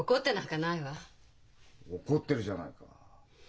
怒ってるじゃないか。